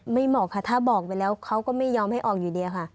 เหมาะค่ะถ้าบอกไปแล้วเขาก็ไม่ยอมให้ออกอยู่เดียวค่ะ